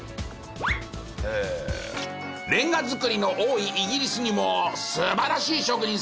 レンガ造りの多いイギリスにも素晴らしい職人さんが。